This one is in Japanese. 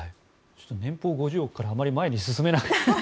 年俸５０億円からあまり前に進めない。